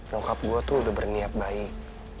rokap gua tuh udah berniat baik